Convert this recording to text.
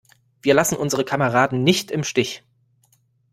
Wir lassen unsere Kameraden nicht im Stich!